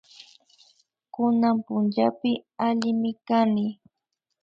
Kunan punllapi allimi kani